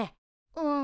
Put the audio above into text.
うん。